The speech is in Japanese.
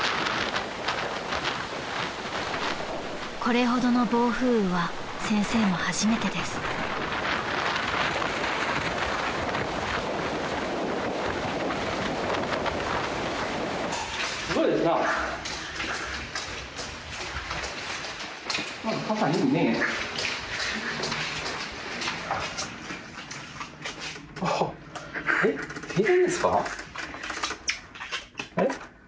［これほどの暴風雨は先生も初めてです］あれ？